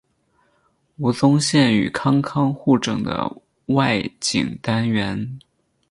吴宗宪与康康互整的外景单元。